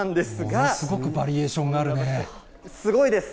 ものすごくバリエーションがすごいです。